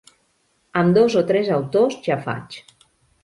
Amb dos o tres autors ja faig.